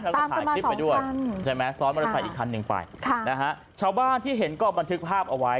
ตามกันมา๒ครั้งใช่ไหมซ้อนมอเตอร์ไซค์อีกครั้งหนึ่งไปชาวบ้านที่เห็นก็บันทึกภาพเอาไว้